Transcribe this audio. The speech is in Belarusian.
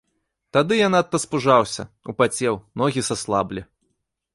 Тады я надта спужаўся, упацеў, ногі саслаблі.